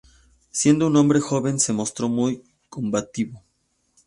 Siendo un hombre joven, se mostró muy combativo.